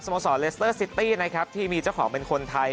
โมสรเลสเตอร์ซิตี้นะครับที่มีเจ้าของเป็นคนไทย